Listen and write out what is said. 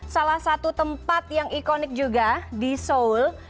salah satu tempat yang ikonik juga di seoul